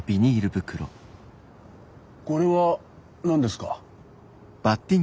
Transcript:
これは何ですか？